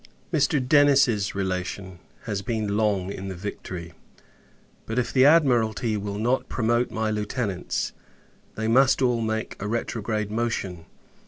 Mr. Denis's relation has been long in the Victory; but, if the Admiralty will not promote my lieutenants, they must all make a retrograde motion.